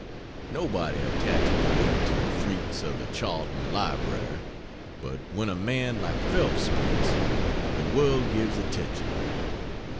Nobody attaches weight to the freaks of the Charlton Library, but when a man like Phelps speaks, the world gives attention.